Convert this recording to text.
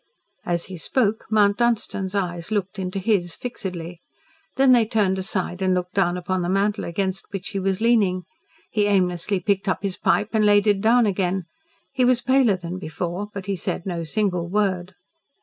As he spoke, Mount Dunstan's eyes looked into his fixedly. Then they turned aside and looked down upon the mantel against which he was leaning. He aimlessly picked up his pipe and laid it down again. He was paler than before, but he said no single word.